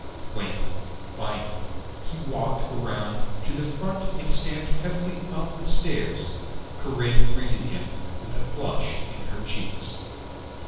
When, finally, he walked around to the front and stamped heavily up the stairs, Corinne greeted him with a flush in her cheeks.